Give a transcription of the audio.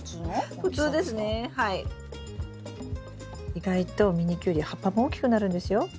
意外とミニキュウリ葉っぱも大きくなるんですよ。